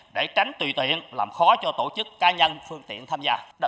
để tránh tùy tiện làm khó cho tổ chức ca nhân phương tiện tham gia